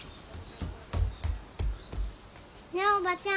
ねえおばちゃん。